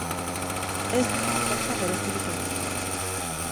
Ez dugu gauza berezirik egin.